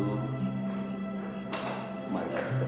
mari kita segera berpohon